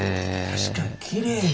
確かにきれいもん。